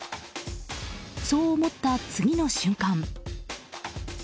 そう思った次の瞬間。